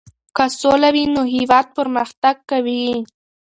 که سوله وي نو هېواد پرمختګ کوي.